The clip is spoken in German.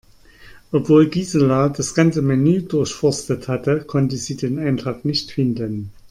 Obwohl Gisela das ganze Menü durchforstet hatte, konnte sie den Eintrag nicht finden.